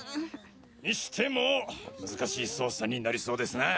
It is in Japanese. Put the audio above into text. にしても難しい捜査になりそうですなぁ。